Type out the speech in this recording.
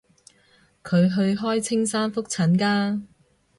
佢去開青山覆診㗎